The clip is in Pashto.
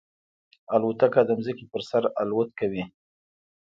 الوتکه د ځمکې پر سر الوت کوي.